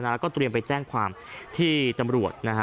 แล้วก็เตรียมไปแจ้งความที่ตำรวจ